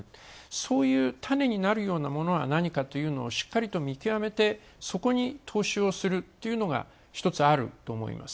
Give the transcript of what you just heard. そういう種になるようなものは何かというのをしっかりと見極めて、そこに投資をするというのが一つ、あると思います。